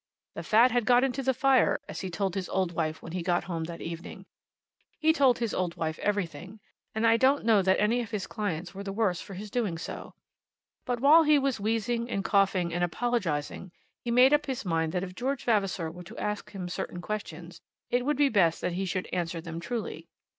"The fat had got into the fire," as he told his old wife when he got home that evening. He told his old wife everything, and I don't know that any of his clients were the worse for his doing so. But while he was wheezing, and coughing, and apologizing, he made up his mind that if George Vavasor were to ask him certain questions, it would be best that he should answer them truly.